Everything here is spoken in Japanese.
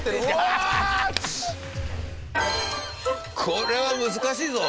これは難しいぞ。